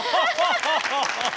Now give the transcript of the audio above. ハハハハハ。